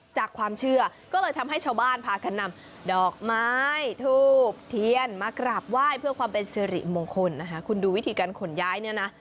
จากความเชื่อก็เลยทำให้ชาวบ้านพากันนำดอกไม้ทูบเทียนมากราบไหว้เพื่อความเป็นสิริมงคลนะคะคุณดูวิธีการขนย้ายเนี่ยนะ